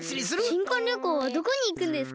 しんこんりょこうはどこにいくんですか。